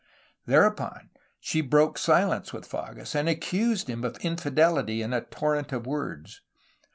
Thereupon she broke silence with Fages, and accused him of infidelity in a torrent of words.